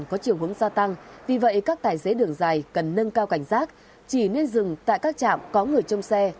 khi các tài xế khá mệt mỏi và mất cảnh giác